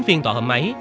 phiên tòa hôm ấy